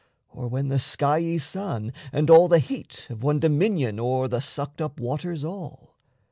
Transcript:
Or when the skiey sun And all the heat have won dominion o'er The sucked up waters all?